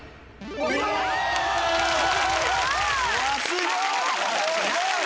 すごい！